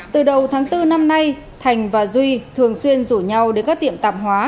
từ đầu tháng bốn năm nay thành và duy thường xuyên rủ nhau đến các tiệm tạp hóa